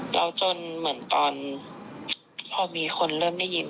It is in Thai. แล้วจนเหมือนตอนพอมีคนเริ่มได้ยิน